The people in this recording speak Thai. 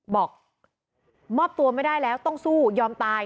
บอกมอบตัวไม่ได้แล้วต้องสู้ยอมตาย